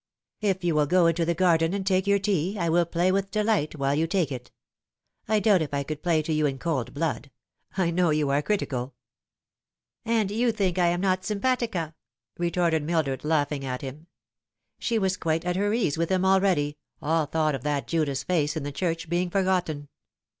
" If you will go into the garden and take your tea, I will play with delight while you take it. I doubt if I could play to you in cold blood. I know you are critical." There is always the Skeleton. 91 " And you think I am not simpatica" retorted Mildred, laughing at him. She was quite at her ease with him already all thought of that Judas face in the church being forgotten.